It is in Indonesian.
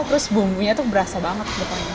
terus bumbunya tuh berasa banget